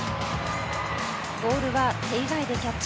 ボールは手以外でキャッチ。